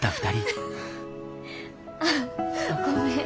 ああごめん。